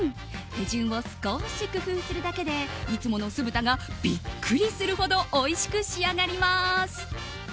手順を少し工夫するだけでいつもの酢豚がビックリするほどおいしく仕上がります。